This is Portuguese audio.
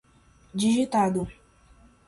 digitado